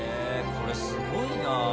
これすごいな。